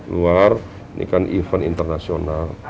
luar ini kan event internasional